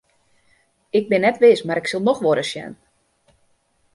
Ik bin net wis mar ik sil noch wolris sjen.